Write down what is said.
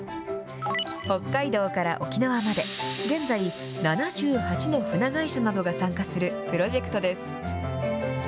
北海道から沖縄まで、現在、７８の船会社などが参加するプロジェクトです。